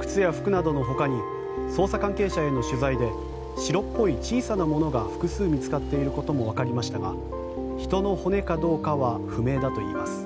靴や服などのほかに捜査関係者への取材で白っぽい小さなものが複数見つかっていることもわかりましたが人の骨かどうかは不明だといいます。